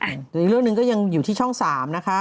แต่อีกเรื่องหนึ่งก็ยังอยู่ที่ช่อง๓นะคะ